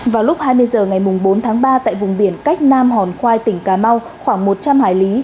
vào lúc hai mươi h ngày bốn tháng ba tại vùng biển cách nam hòn khoai tỉnh cà mau khoảng một trăm linh hải lý